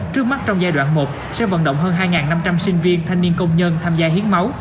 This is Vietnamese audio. trước mắt trong giai đoạn một sẽ vận động hơn hai năm trăm linh sinh viên thanh niên công nhân tham gia hiến máu